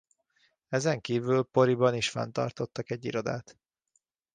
Ezen kívül Poriban is fenntartottak egy irodát.